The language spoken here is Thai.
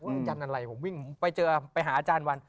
วิ่งยันอะไรผมวิ่งไปเจอไปหาอาจารย์วัน